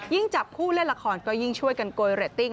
จับคู่เล่นละครก็ยิ่งช่วยกันโกยเรตติ้ง